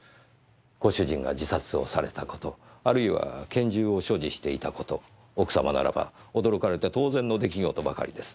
ご主人が自殺をされた事あるいは拳銃を所持していた事奥様ならば驚かれて当然の出来事ばかりです。